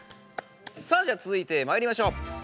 さあじゃあつづいてまいりましょう。